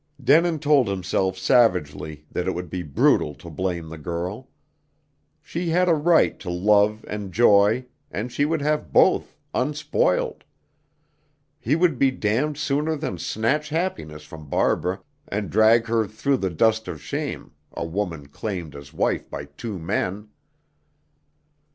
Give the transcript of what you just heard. Denin told himself savagely that it would be brutal to blame the girl. She had a right to love and joy, and she should have both, unspoiled. He would be damned sooner than snatch happiness from Barbara, and drag her through the dust of shame, a woman claimed as wife by two men.